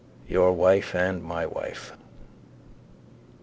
Your wife and my wife.